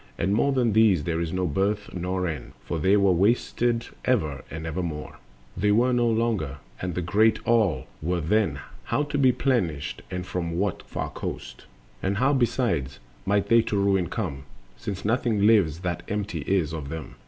And more than these there is no birth nor end; For were they wasted ever and evermore, They were no longer, and the great All were then How to be plenished and from what far coast? And how, besides, might they to ruin come, Since nothing lives that empty is of them?